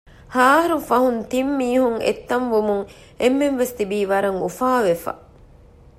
ހައަހަރު ފަހުން ތިންމީހުން އެއްތަން ވުމުން އެންމެންވެސް ތިބީ ވަރަށް އުފާވެފަ